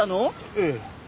ええ。